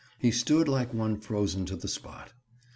He stood like one frozen to the spot.